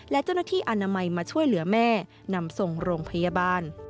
และเจ้าหน้าที่อนามัยมาช่วยเหลือแม่นำส่งโรงพยาบาล